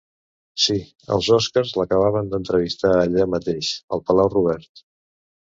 Sí, els Òscars l'acabaven d'entrevistar allà mateix, al Palau Robert.